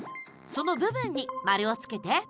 その部分に丸をつけて！